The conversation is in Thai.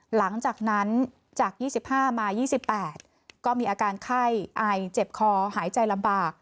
หลังจากนั้นจาก๒๕มา๒๘ก็มีอาการไข้ไอเจ็บคอหายใจลำบาก